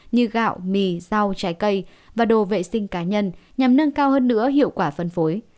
như gạo mì rau trái cây và đồ vệ sinh cá nhân nhằm nâng cao hơn nữa hiệu quả phân phối